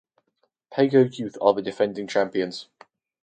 Pago Youth are the defending champions.